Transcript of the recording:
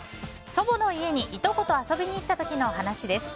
祖母の家に、いとこと遊びに行った時の話です。